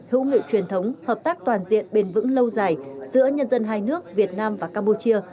hữu nghị truyền thống hợp tác toàn diện bền vững lâu dài giữa nhân dân hai nước việt nam và campuchia